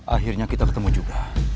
akhirnya kita ketemu juga